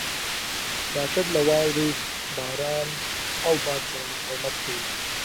راکټ له واورې، باران او باد سره مقاومت کوي